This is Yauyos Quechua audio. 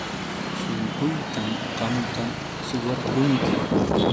Shunquytam qamqa suwarqunki.